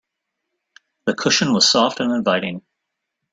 The cushion was soft and inviting.